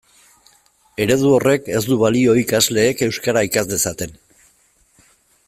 Eredu horrek ez du balio ikasleek euskara ikas dezaten.